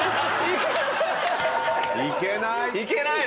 行けない。